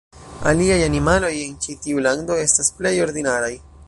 Aliaj animaloj en ĉi tiu lando estas pleje ordinaraj.